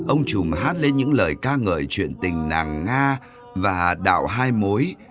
ông trùng hát lên những lời ca ngợi chuyện tình nàng nga và đạo hai mối